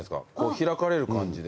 開かれる感じで。